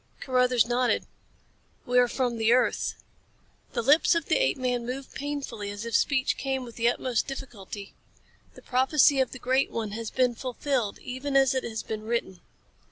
Carruthers nodded. "We are from the earth." The lips of the apeman moved painfully as if speech came with the utmost of difficulty. "The prophecy of the Great One has been fulfilled even as it has been written."